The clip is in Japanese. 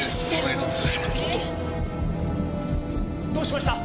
どうしました？